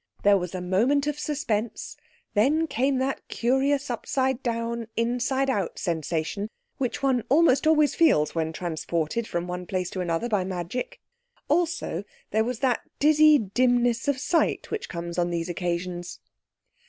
There was a moment of suspense; then came that curious upside down, inside out sensation which one almost always feels when transported from one place to another by magic. Also there was that dizzy dimness of sight which comes on these occasions.